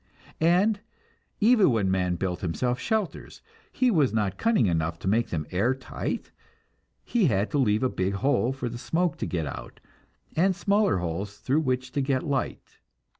And even when man built himself shelters, he was not cunning enough to make them air tight; he had to leave a big hole for the smoke to get out, and smaller holes through which to get light.